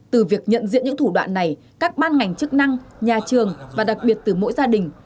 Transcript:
từ việc nhận diện những thủ đoạn này các ban ngành chức năng nhà trường và đặc biệt từ mỗi gia đình